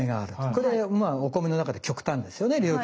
これまあお米の中で極端ですよね両極。